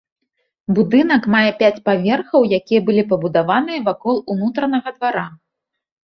Будынак мае пяць паверхаў, якія былі пабудаваныя вакол унутранага двара.